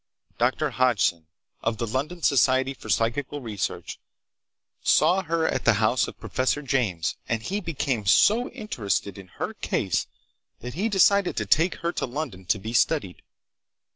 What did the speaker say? Dr. Hodgson, of the London Society for Psychical Research, saw her at the house of Professor James, and he became so interested in her case that he decided to take her to London to be studied.